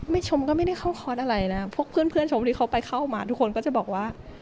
ชมก็ไม่ได้เข้าคอร์สอะไรนะพวกเพื่อนชมที่เขาไปเข้ามาทุกคนก็จะบอกว่า